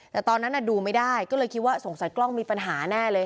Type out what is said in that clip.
แต่ตอนนั้นดูไม่ได้ก็เลยคิดว่าสงสัยกล้องมีปัญหาแน่เลย